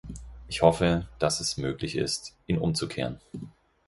Ich hoffe, dass es möglich ist, ihn umzukehren.